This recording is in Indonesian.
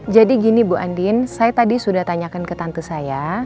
jadi gini bu andin saya tadi sudah tanyakan ke tante saya